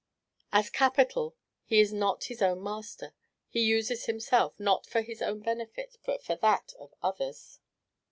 As capital, he is not his own master; he uses himself, not for his own benefit, but for that of others.